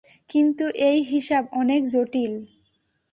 কিন্তু এই হিসাব অনেক জটিল।